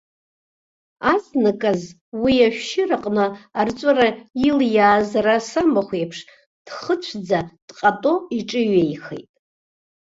Азныказ уи ашәшьыраҟны арҵәыра илиааз арасамахә еиԥш, дхыцәӡа, дҟато иҿыҩеихеит.